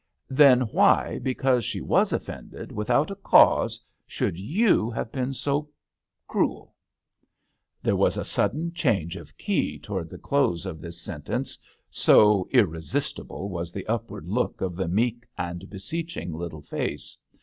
" Then why, because she was offended without a cause, should you have been — so cruel ?" There was a sudden change of key towards the close of this sentence, so irresistible was the upward look of the meek and beseeching little face.